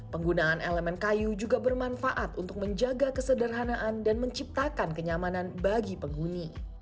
penggunaan elemen kayu juga bermanfaat untuk menjaga kesederhanaan dan menciptakan kenyamanan bagi penghuni